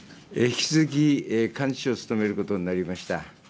引き続き、幹事長を務めることになりました。